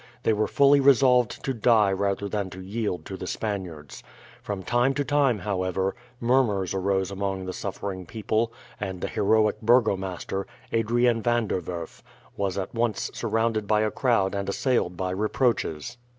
They were fully resolved to die rather than to yield to the Spaniards. From time to time, however, murmurs arose among the suffering people, and the heroic burgomaster, Adrian Van der Werf, was once surrounded by a crowd and assailed by reproaches.